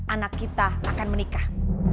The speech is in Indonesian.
anak kita akan menikah